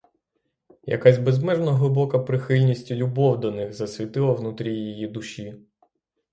Якась безмежно глибока прихильність і любов до них засвітила в нутрі її душі.